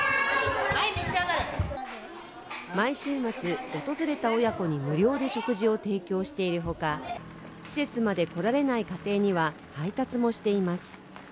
毎週末、訪れた親子に無料で食事を提供しているほか施設まで来られない家庭には配達もしています